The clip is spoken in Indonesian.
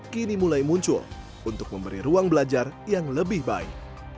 kini mulai muncul untuk memberi ruang belajar yang lebih baik